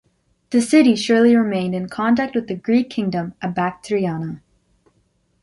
The city surely remained in contact with the Greek Kingdom of Bactriana.